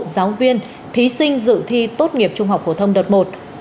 giáo viên thí sinh dự thi tốt nghiệp trung học phổ thông đợt một